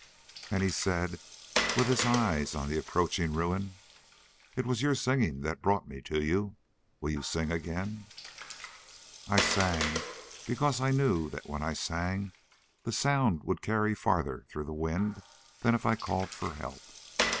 And he said, with his eyes on the approaching ruin: "It was your singing that brought me to you. Will you sing again?" "I sang because I knew that when I sang the sound would carry farther through the wind than if I called for help.